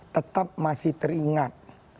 tetap masih teringat